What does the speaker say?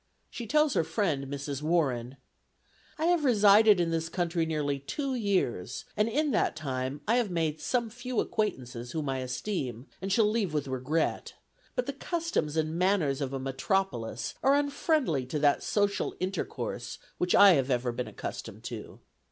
She tells her friend, Mrs. Warren: "I have resided in this country nearly two years, and, in that time, I have made some few acquaintances whom I esteem, and shall leave with regret; but the customs and manners of a metropolis are unfriendly to that social intercourse which I have ever been accustomed to.